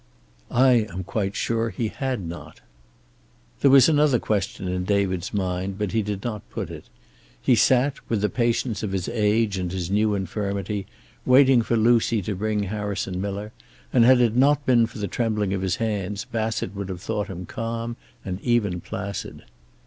"I am quite sure he had not." There was another question in David's mind, but he did not put it. He sat, with the patience of his age and his new infirmity, waiting for Lucy to bring Harrison Miller, and had it not been for the trembling of his hands Bassett would have thought him calm and even placid.